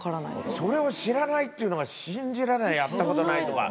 それを知らないっていうのが信じられない、やったことないとか。